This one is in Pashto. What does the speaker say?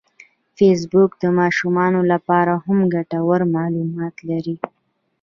فېسبوک د ماشومانو لپاره هم ګټور معلومات لري